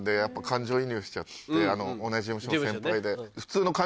同じ事務所の先輩で。